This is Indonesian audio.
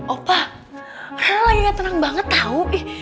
opa rara lagi gak tenang banget tau